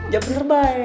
jangan bener bae